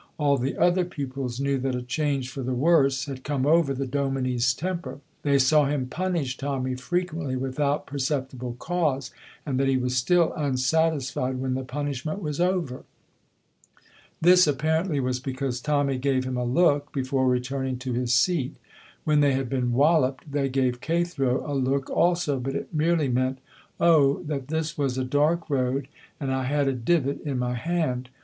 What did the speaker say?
All the other pupils knew that a change for the worse had come over the dominie's temper. They saw him punish Tommy frequently without perceptible cause, and that he was still unsatisfied when the punishment was over. This apparently was because Tommy gave him a look before returning to his seat. When they had been walloped they gave Cathro a look also, but it merely meant, "Oh, that this was a dark road and I had a divot in my hand!"